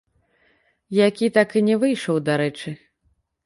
Які так і не выйшаў, дарэчы.